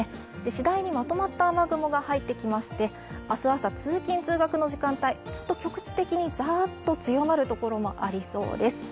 次第にまとまった雨雲が入ってきまして明日朝、通勤・通学の時間帯ちょっと局地的にザッと強まる所もありそうです。